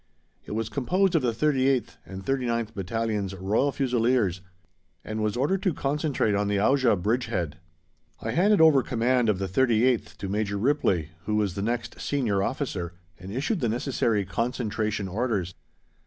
It was composed of the 38th and 39th Battalions Royal Fusiliers, and was ordered to concentrate on the Auja bridgehead. I handed over command of the 38th to Major Ripley, who was the next Senior Officer, and issued the necessary concentration orders.